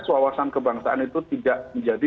suasana kebangsaan itu tidak menjadi